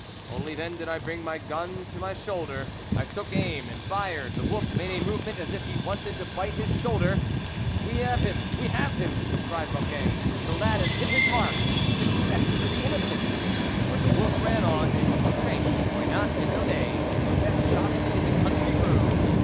Only then did I bring my gun to the shoulder ; I took aim, and fired ; the wolf made a movement as if he wanted to bite his shoulder. " We have him ! we have him !" cried Mocquet, " the lad hps hit his mark ! Suc cess to the innocent !" But the wolf ran on, making straight for Moynat and Mildet, the two best shots in the country round.